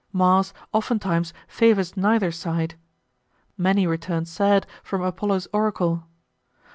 Mars oftentimes favors neither side. Many return sad from Apollo's oracle.